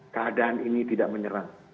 keadaan ini tidak menyerang